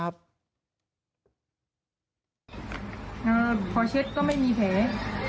พอเช็ดก็ไม่มีแผล